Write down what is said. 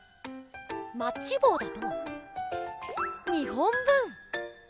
マッチぼうだと２本分！